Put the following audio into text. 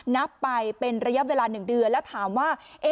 นับไปเป็นระยะเวลา๑เดือนแล้วถามว่า